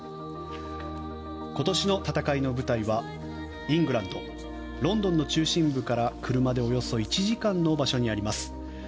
今年の戦いの舞台はイングランドロンドンの中心部から車でおよそ１時間の場所にあります。